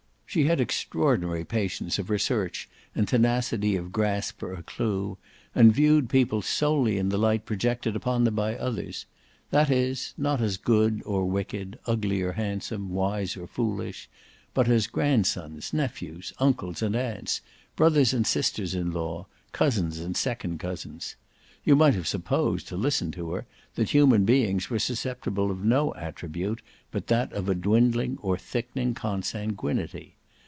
She had extraordinary patience of research and tenacity of grasp for a clue, and viewed people solely in the light projected upon them by others; that is not as good or wicked, ugly or handsome, wise or foolish, but as grandsons, nephews, uncles and aunts, brothers and sisters in law, cousins and second cousins. You might have supposed, to listen to her, that human beings were susceptible of no attribute but that of a dwindling or thickening consanguinity.